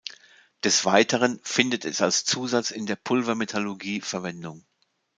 Des Weiteren findet es als Zusatz in der Pulvermetallurgie Verwendung.